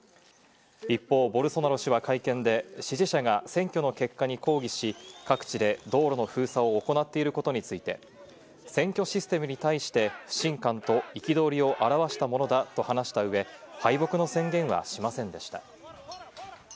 一方、ボルソナロ氏は会見で支持者が選挙の結果に抗議し、各地で道路の封鎖を行っていることについて、選挙システムに対して不信感と憤りを表したものだと話した上、敗北の宣言はしませんでした。